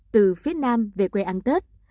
từ phía nam về quê ăn tết